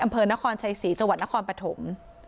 อำเภอนครชัยศรีจนครปฐม